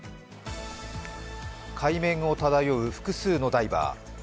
海面を漂う複数のダイバー。